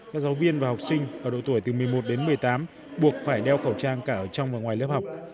các giáo viên và học sinh ở độ tuổi từ một mươi một đến một mươi tám buộc phải đeo khẩu trang cả ở trong và ngoài lớp học